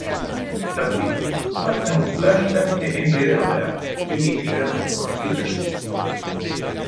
Da qui parte un flashback dei membri della band che litigano con Peter Steele.